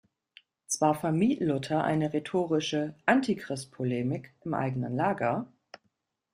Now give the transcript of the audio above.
Zwar vermied Luther eine rhetorische Antichrist-Polemik im eigenen Lager.